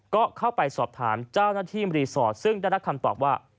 ก็เข้าไปสอบถามเจ้าหน้าที่รีสอร์ทซึ่งได้รับคำตอบว่า